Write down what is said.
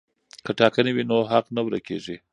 که ټاکنې وي نو حق نه ورک کیږي.